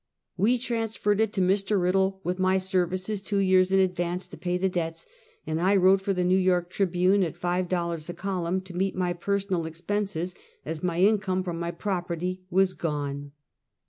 We transferred it to Mr. Riddle, with my services two years in advance, to pay the debts, and I wrote for the 'New York Tribune, at five dollars a column, to meet my personal expenses, as my income from my proper ty was gone.